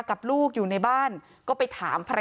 ความปลอดภัยของนายอภิรักษ์และครอบครัวด้วยซ้ำ